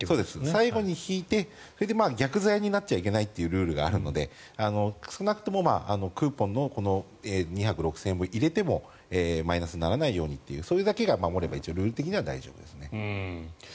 最後に引いて逆ざやになっちゃいけないというルールもあるので少なくともクーポンの２泊６０００円分を入れてもマイナスにならないようにそれだけ守ればルール的には大丈夫です。